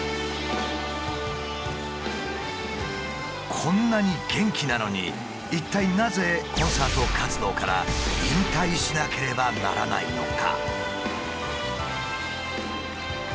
こんなに元気なのに一体なぜコンサート活動から引退しなければならないのか？